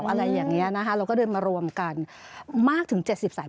อะไรอย่างนี้นะคะเราก็เดินมารวมกันมากถึง๗๐สาย